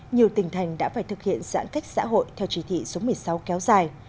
nhiều tỉnh thành đã phải thực hiện giãn cách xã hội theo chỉ thị số một mươi sáu kéo dài